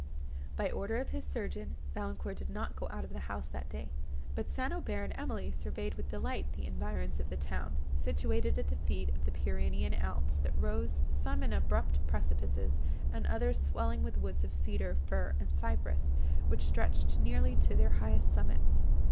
By order of his surgeon, Valancourt did not go out of the house that day; but St. Aubert and Emily surveyed with delight the environs of the town, situated at the feet of the Pyrenean Alps, that rose, some in abrupt precipices, and others swelling with woods of cedar, fir, and cypress, which stretched nearly to their highest summits.